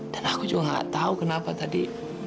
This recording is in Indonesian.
dan aku juga nggak tahu kenapa tadi